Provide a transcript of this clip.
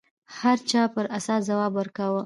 هر چا پر اساس ځواب ورکاوه